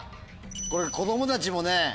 これ子供たちもね